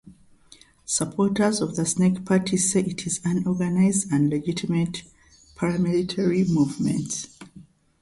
Supporters of the Snake Party say it is an organized and legitimate paramilitary movement.